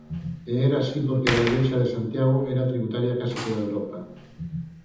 E era así porque da igrexa de Santiago era tributaria case toda Europa.